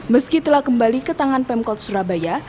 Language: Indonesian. meski telah kembali ke tangan pemkot surabaya